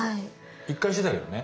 １回してたけどね。